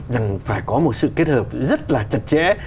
rằng phải có một sự kết hợp rất là chặt chẽ